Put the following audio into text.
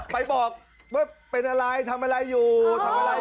ไปบอกว่าเป็นอะไรทำอะไรอยู่ทำอะไร